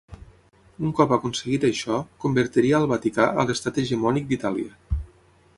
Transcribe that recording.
Un cop aconseguit això, convertiria al Vaticà a l'Estat hegemònic d'Itàlia.